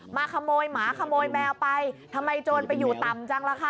มาขโมยหมาขโมยแมวไปทำไมโจรไปอยู่ต่ำจังล่ะคะ